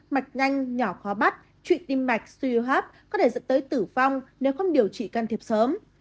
mạch nhanh nhỏ khó bắt trụy tim mạch suy hô hấp có thể dẫn tới tử vong nếu không điều trị can thiệp sớm